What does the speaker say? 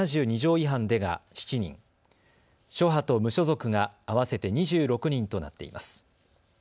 違反でが７人、諸派と無所属が合わせて２６人となっています。